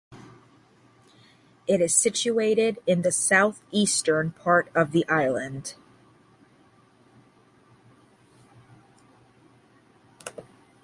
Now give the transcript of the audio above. It is situated in the southeastern part of the island.